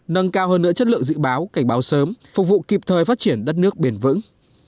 nâng cao hơn nữa chất lượng dự báo cảnh báo sớm phục vụ kịp thời phát triển đất nước bền vững